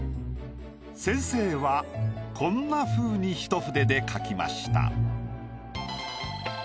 先生はこんなふうに一筆で描きました。